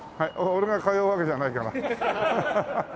俺が通うわけじゃないから。